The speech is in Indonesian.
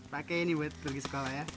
pakai ini buat pergi sekolah ya